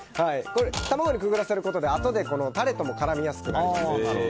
卵にくぐらせることであとでタレとも絡みやすくなります。